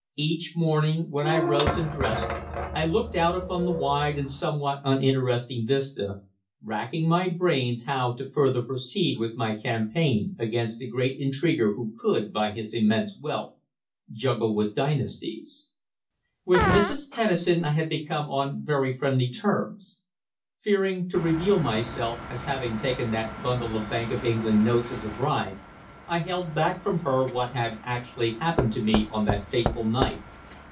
Each morning, when I rose and dressed, I looked out upon the wide and somewhat uninteresting vista, racking my brains how to further proceed with my campaign against the great intriguer who could, by his immense wealth, juggle with dynasties. With Mrs. Tennison I had become on very friendly terms. Fearing to reveal myself as having taken that bundle of Bank of England notes as a bribe, I held back from her what had actually happened to me on that fateful night.